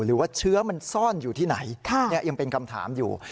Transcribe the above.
หรือว่าเชื้อมันซ่อนอยู่ที่ไหนยังเป็นคำถามอยู่